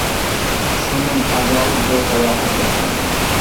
شۇنىڭ ئاجايىپ بىر ساياھەت باشلاندى.